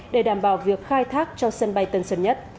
để đảm bảo việc khai thác cho sân bay tân sơn nhất